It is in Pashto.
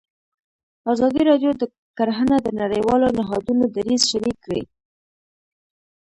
ازادي راډیو د کرهنه د نړیوالو نهادونو دریځ شریک کړی.